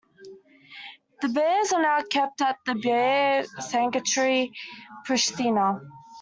The bears are now kept at the Bear Sanctuary Prishtina.